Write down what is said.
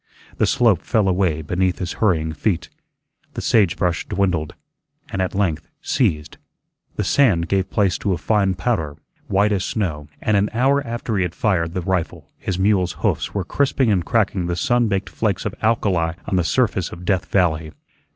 The slope fell away beneath his hurrying feet; the sage brush dwindled, and at length ceased; the sand gave place to a fine powder, white as snow; and an hour after he had fired the rifle his mule's hoofs were crisping and cracking the sun baked flakes of alkali on the surface of Death Valley.